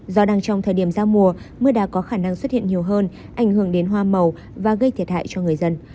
do đang trong thời điểm giao mùa mưa đá có khả năng xuất hiện nhiều hơn ảnh hưởng đến hoa màu và gây thiệt hại cho người dân